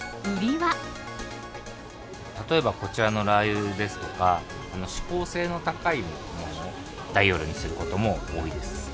例えばこちらのラー油ですとか、しこう性の高いもの、大容量にすることも多いです。